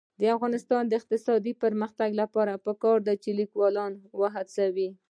د افغانستان د اقتصادي پرمختګ لپاره پکار ده چې لیکوالان وهڅوو.